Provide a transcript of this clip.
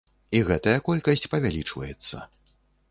І гэтая колькасць павялічваецца.